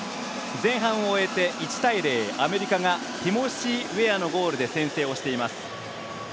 前半を終えて１対０アメリカがティモシー・ウェアのゴールで先制をしています。